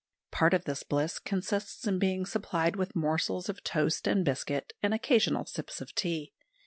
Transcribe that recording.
Part of this bliss consists in being supplied with morsels of toast and biscuit and occasional sips of tea.